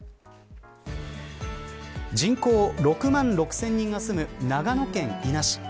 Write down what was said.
人口６万６０００人が住む長野県伊那市。